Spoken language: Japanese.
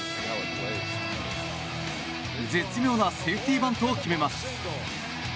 絶妙なセーフティーバントを決めます。